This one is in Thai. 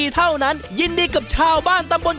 ตอนนี้จะเท่าไร